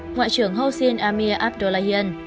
ngoại trưởng hossein amir abdullahian